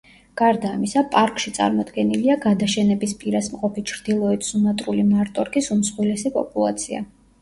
გარდა ამისა, პარკში წარმოდგენილია გადაშენების პირას მყოფი ჩრდილოეთ სუმატრული მარტორქის უმსხვილესი პოპულაცია.